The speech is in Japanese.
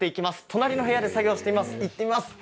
隣の部屋で作業しています。